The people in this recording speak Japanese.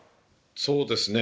そうですね。